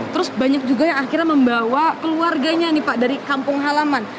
terus banyak juga yang akhirnya membawa keluarganya nih pak dari kampung halaman